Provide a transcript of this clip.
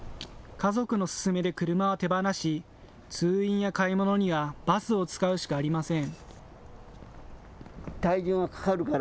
家族の勧めで車は手放し通院や買い物にはバスを使うしかありません。